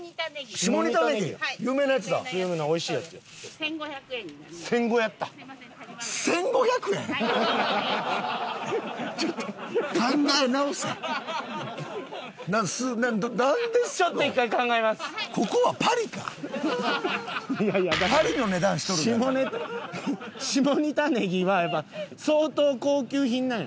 下仁田下仁田ネギはやっぱ相当高級品なんや。